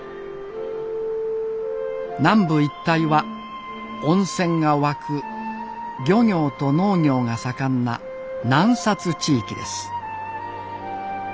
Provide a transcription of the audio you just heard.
南部一帯は温泉が湧く漁業と農業が盛んな南地域です。